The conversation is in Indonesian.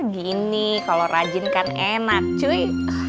gini kalau rajin kan enak cuy